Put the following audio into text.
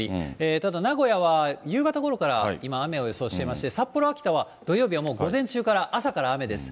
ただ、名古屋は夕方ごろから今、雨を予想していまして、札幌、秋田は土曜日はもう午前中から、朝から雨です。